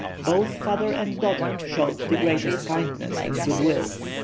Both father and daughter showed the greatest kindness and good will.